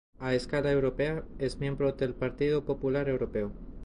A escala europea, es miembro del Partido Popular Europeo.